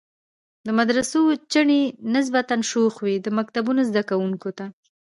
د مدرسو چڼې نسبتاً شوخ وي، د مکتبونو زده کوونکو ته.